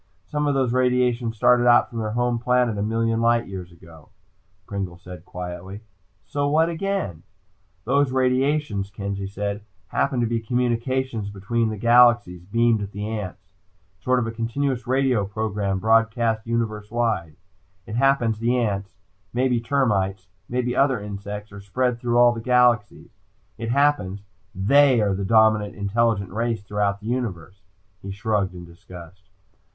"Some of those radiations started out from their home planet a million light years ago," Pringle said quietly. "So what again?" the Chief asked. "Those radiations," Kenzie said, "happen to be communications between the galaxies beamed at the ants. Sort of a continuous radio program broadcast universe wide. It happens the ants, maybe termites, maybe other insects, are spread through all the galaxies. It happens they are the dominant intelligent race throughout the universe." He shrugged in disgust.